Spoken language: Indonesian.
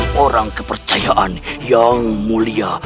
kau adalah orang kepercayaan yang mulia